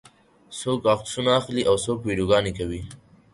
څوک عکسونه اخلي او څوک ویډیوګانې کوي.